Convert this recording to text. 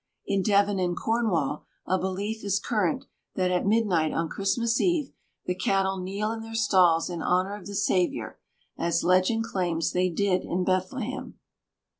In Devon and Cornwall, a belief is current that, at midnight on Christmas Eve, the cattle kneel in their stalls in honour of the Saviour, as legend claims they did in Bethlehem.